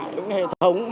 những cái hệ thống